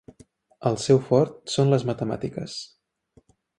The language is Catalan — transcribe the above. El seu fort són les matemàtiques.